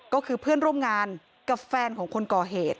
ก็คือเพื่อนร่วมงานกับแฟนของคนก่อเหตุ